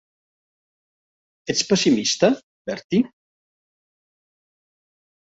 Ets pessimista, Bertie?